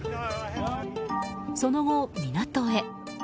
その後、港へ。